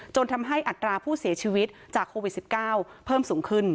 จนทำให้อัตราผู้เสียชีวิตจากโควิด๑๙เพิ่มสูงขึ้น